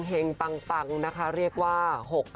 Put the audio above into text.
แห่งปังนะคะเรียกว่า